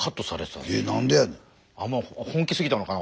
あんま本気すぎたのかな？